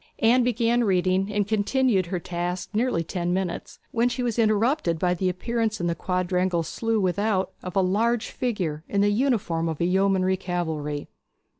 Anne began reading, and continued at her task nearly ten minutes, when she was interrupted by the appearance in the quadrangular slough without of a large figure in the uniform of the yeomanry cavalry.